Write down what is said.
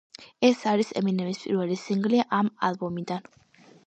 ეს არის ემინემის პირველი სინგლი ამ ალბომიდან.